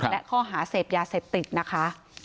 และข้อหาเสพยาเสพติดนะคะ